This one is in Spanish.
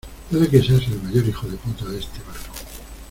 puede que seas el mayor hijo de puta de este barco